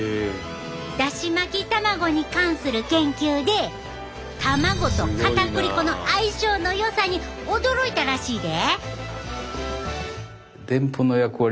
だし巻き卵に関する研究で卵とかたくり粉の相性の良さに驚いたらしいで。